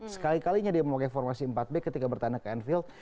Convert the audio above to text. sekali kalinya dia memakai formasi empat back ketika bertandang ke anfield